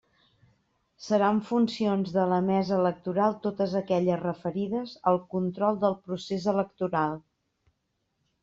Seran funcions de la Mesa Electoral totes aquelles referides al control del procés electoral.